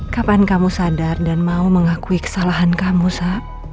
kapan kamu sadar dan mau mengakui kesalahan kamu sa